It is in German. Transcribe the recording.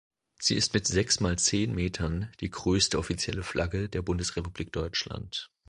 Sie ist mit sechs mal zehn Metern die größte offizielle Flagge der Bundesrepublik Deutschland.